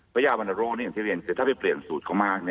ยาวรรณโรคนี้อย่างที่เรียนคือถ้าไปเปลี่ยนสูตรเขามาก